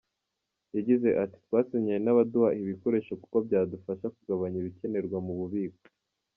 Yagize ati “Twasinyanye n’abaduha ibikoresho kuko byadufasha kugabanya ibikenerwa mu bubiko.